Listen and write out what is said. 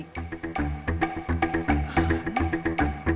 setiap ketemu saya lari